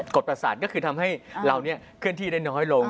กดประสาทก็คือทำให้เราเคลื่อนที่ได้น้อยลง